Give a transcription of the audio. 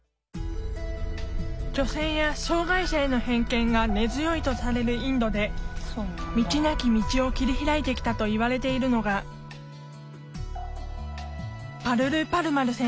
女性や障害者への偏見が根強いとされるインドで道なき道を切り開いてきたといわれているのがパルル・パルマル選手。